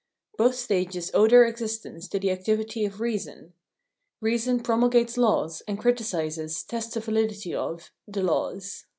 Both stages owe their existence to the activitj' of reason. Reason promulgates laws, and criticises, tests the validity of, the laws.